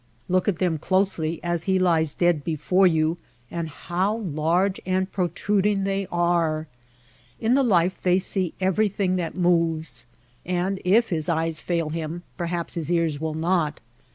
Look at them close ly as he lies dead before you and how large and protruding they are ! In the life they see every thing that moves. And if his eyes fail him, perhaps his ears will not.